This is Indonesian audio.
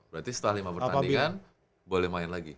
berarti setelah lima pertandingan boleh main lagi